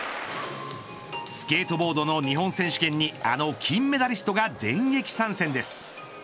スケートボードの日本選手権にあの金メダリストが電撃参戦です。